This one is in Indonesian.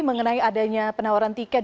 mengenai adanya penawaran tiket